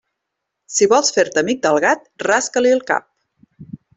Si vols fer-te amic del gat, rasca-li el cap.